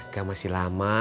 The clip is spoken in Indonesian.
gak masih lama